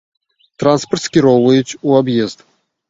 Транспарт скіроўваюць у аб'езд.